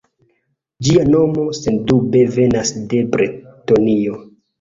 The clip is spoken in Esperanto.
Ĝia nomo sendube venas de Bretonio.